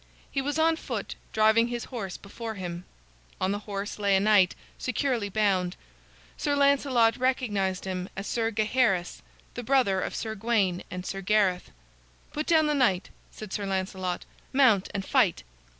He was on foot, driving his horse before him. On the horse lay a knight, securely bound. Sir Lancelot recognized him as Sir Gaheris, the brother of Sir Gawain and Sir Gareth. "Put down the knight," said Sir Lancelot. "Mount and fight."